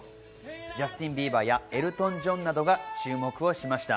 ジャスティン・ビーバーやエルトン・ジョンなどが注目をしました。